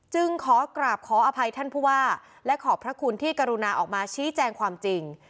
จึงขอกราบขออภัยท่านผู้ว่าและขอบพระคุณที่กรุณาออกมาชี้แจงความจริง